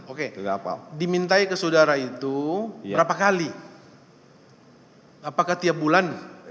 oke dimintai ke saudara itu berapa kali apakah tiap bulan